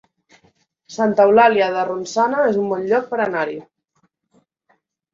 Santa Eulàlia de Ronçana es un bon lloc per anar-hi